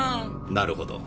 なるほど。